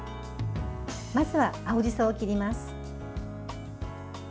まずは青じそを切ります。